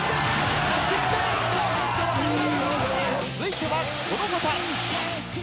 続いてはこの方。